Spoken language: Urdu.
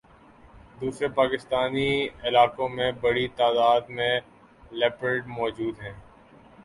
دوسرے پاکستانی علاقوں میں بڑی تعداد میں لیپرڈ موجود ہیں